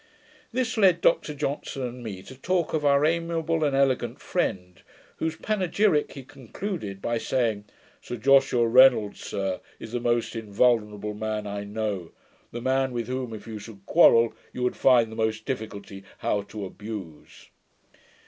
This led Dr Johnson and me to talk of our amiable and elegant friend, whose panegyrick he concluded by saying, 'Sir Joshua Reynolds, sir, is the most invulnerable man I know; the man with whom if you should quarrel, you would find the most difficulty how to abuse.'